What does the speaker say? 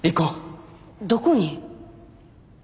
どこに？